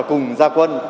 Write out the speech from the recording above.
đã cùng gia quân